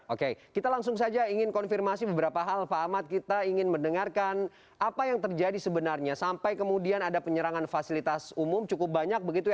oke kita langsung saja ingin konfirmasi beberapa hal pak ahmad kita ingin mendengarkan apa yang terjadi sebenarnya sampai kemudian ada penyerangan fasilitas umum cukup banyak begitu ya